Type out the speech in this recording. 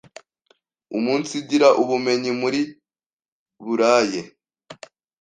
umunsigira ubumenyi muri buraye.”